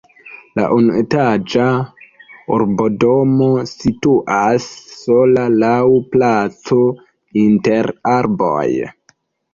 La unuetaĝa urbodomo situas sola laŭ placo inter arboj.